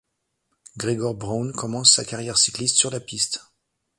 Gregor Braun commence sa carrière cycliste sur la piste.